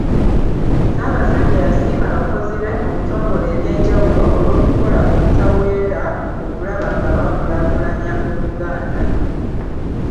Ssaabasajja yasiima abakozi be mu bitongole ebyenjawulo olw’okukola obutaweera okulaba nga bakulaakulanya Obuganda.